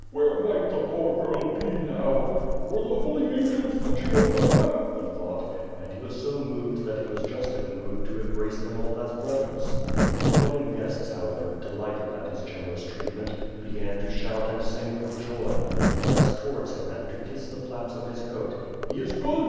"Where might the poor girl be now? Were the Hoi Angels watching over her," he thought, and he was so moved that he was just in a mood to embrace them all as brothers. The wedding guests, however, delighted at his generous treatment, began to shout and sing for joy, to press towards him and to kiss the flaps of his coat. "He is good!"